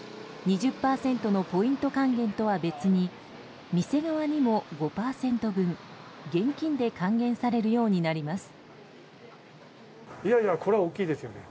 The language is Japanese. ２０％のポイント還元とは別に店側にも５％分現金で還元されるようになります。